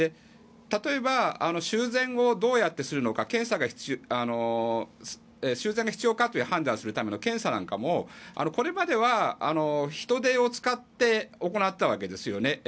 例えば、修繕をどうやってするのか修繕が必要かという判断をするための検査なんかもこれまでは人手を使って行っていたわけですね。